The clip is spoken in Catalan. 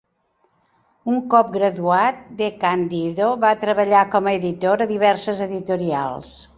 Un cop graduat, DeCandido va treballar com a editor a diverses editorials.